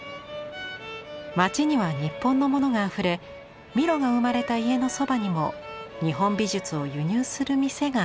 街には日本のものがあふれミロが生まれた家のそばにも日本美術を輸入する店があったのだとか。